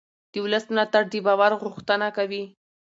د ولس ملاتړ د باور غوښتنه کوي